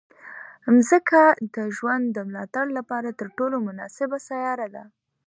مځکه د ژوند د ملاتړ لپاره تر ټولو مناسبه سیاره ده.